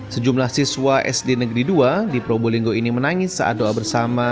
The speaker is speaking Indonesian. sejumlah siswa sd negeri dua di probolinggo ini menangis saat doa bersama